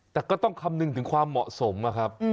แต่ก็ต้องคำนึงถึงความเหมาะสมนะครับ